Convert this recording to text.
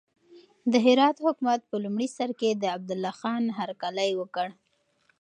د هرات حکومت په لومړي سر کې د عبدالله خان هرکلی وکړ.